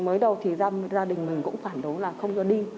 mới đầu thì gia đình mình cũng phản đối là không cho đi